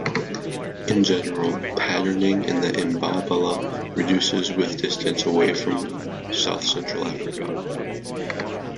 In general, patterning in the imbabala reduces with distance away from south-central Africa.